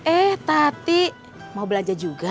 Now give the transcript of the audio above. eh tati mau belanja juga